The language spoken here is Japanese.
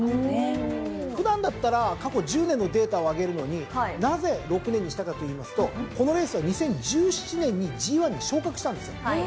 普段だったら過去１０年のデータを挙げるのになぜ６年にしたかといいますとこのレースは２０１７年にＧⅠに昇格したんですよ。